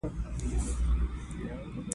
په شپږمه ماده کې مهم ټکي راغلي دي.